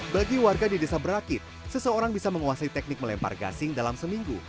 bagi warga di desa berakit seseorang bisa menguasai teknik melempar gasing dalam seminggu